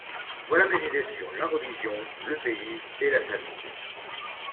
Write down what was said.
Voilà mes idées sur la religion, le pays et la famille.